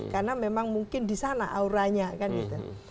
karena memang mungkin di sana auranya kan gitu